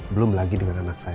belum lagi dengan anak saya